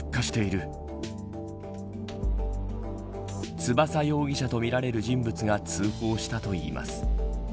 翼容疑者とみられる人物が通報したといいます。